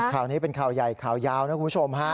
ข่าวนี้เป็นข่าวใหญ่ข่าวยาวนะคุณผู้ชมฮะ